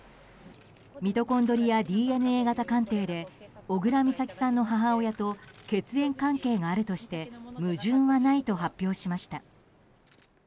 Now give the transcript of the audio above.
ミトコンドリアＤＮＡ型鑑定で小倉美咲さんの母親と血縁関係があるとして矛盾はないと発表しました。